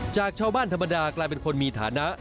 จากชาวบ้านธรรมดากลายเป็นคนมีฐานะ